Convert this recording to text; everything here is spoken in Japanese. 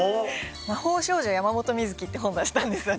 『魔法少女山本美月』って本出したんです私。